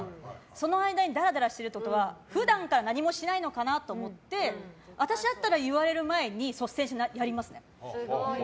その間に、だらだらしてるとか普段から何もしてないのかなと思って私だったら言われる前に率先してやりますね。